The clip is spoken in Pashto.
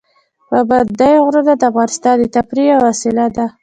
پابندی غرونه د افغانانو د تفریح یوه وسیله ده.